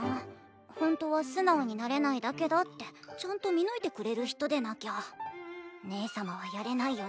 ほんとは素直になれないだけだってちゃんと見抜いてくれる人でなきゃ姉様はやれないよね。